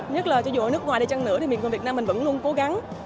nhất là cho dù ở nước ngoài đi chăng nữa miền quốc việt nam mình vẫn luôn cố gắng